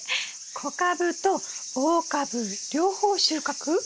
小株と大株両方収穫？